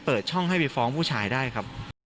เปิดช่องให้ไปฟ้องผู้ชายได้ครับ